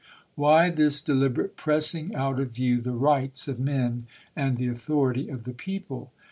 Why this deliberate pressing out of view the rights of men and the authority of the people